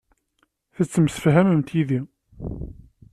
Tettemsefhamemt yid-i.